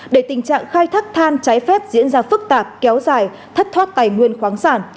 để tình trạng khai thác than trái phép diễn ra phức tạp kéo dài thất thoát tài nguyên khoáng sản